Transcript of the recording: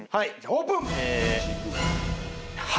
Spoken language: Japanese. オープン！